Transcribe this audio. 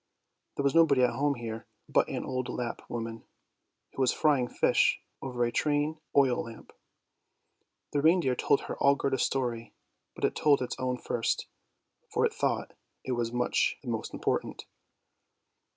There was nobody at home here but an old Lapp woman, who was frying fish over a train oil lamp. The reindeer told her all Gerda's story, but it told its own first; for it thought it was much the most important.